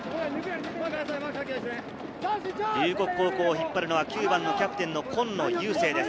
龍谷高校を引っ張るの９番キャプテンの今野友聖です。